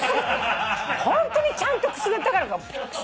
ホントにちゃんとくすぐったがるから。